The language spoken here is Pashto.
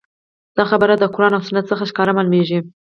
دا خبره د قران او سنت څخه ښکاره معلوميږي